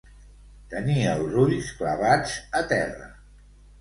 Tenir els ulls clavats a terra.